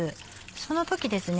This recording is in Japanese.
その時ですね